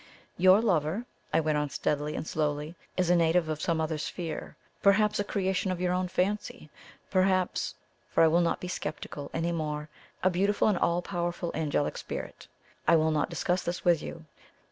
"Your lover," I went on steadily and slowly, "is a native of some other sphere perhaps a creation of your own fancy perhaps (for I will not be sceptical any more) a beautiful and all powerful angelic spirit. I will not discuss this with you.